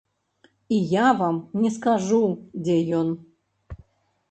І я вам не скажу, дзе ён.